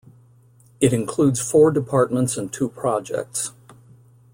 It includes four departments and two projects.